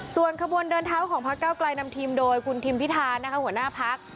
ส่วนขบวนเดินเท้าของพักเก้าไกลนำทีมโดยคุณทิมพิธานหัวหน้าพัก